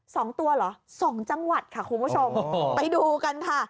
สองตัวเหรอสองจังหวัดค่ะคุณผู้ชมไปดูกันค่ะ